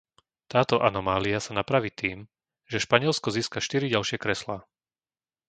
Táto anomália sa napraví tým, že Španielsko získa štyri ďalšie kreslá.